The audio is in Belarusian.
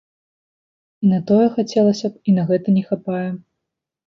І на тое хацелася б, і на гэта не хапае.